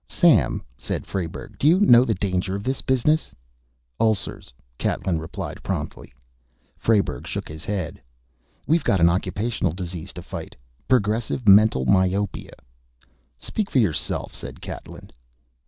"Sam," said Frayberg, "do you know the danger of this business?" "Ulcers," Catlin replied promptly. Frayberg shook his head. "We've got an occupational disease to fight progressive mental myopia." "Speak for yourself," said Catlin.